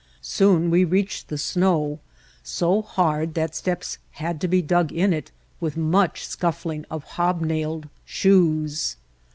Soon we reached the snow, so hard that steps had to be dug in it with much scuffling of hobnailed shoes.